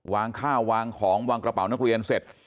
วางข้าววางของวางกระเป๋านักเรียนเสร็จ